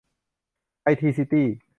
ไอที ซิตี้